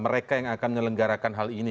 mereka yang akan menyelenggarakan hal ini